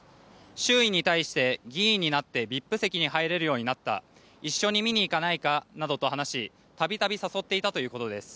周囲に対して議員になってＶＩＰ席に入れるようになった一緒に見に行かないか？などと話し度々誘っていたということです。